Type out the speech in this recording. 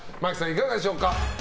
いかがでしょうか。